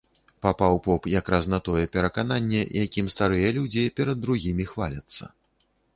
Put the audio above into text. Папаў поп якраз на тое перакананне, якім старыя людзі перад другімі хваляцца.